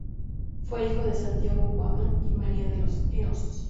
Fue hijo de Santiago Huamán y Maria de los Heros.